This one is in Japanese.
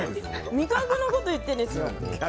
味覚のこと言ってるんです。